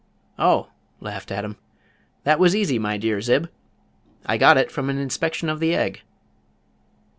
"Oh," laughed Adam, "that was easy, my dear Zib. I got it from an inspection of the egg."